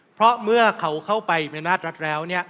เพราะเมื่อเขาเข้าไปมีอำนาจรัฐแล้ว